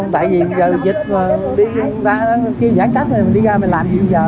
tại vì dịch mà người ta kêu giãn cách mình đi ra mình làm gì bây giờ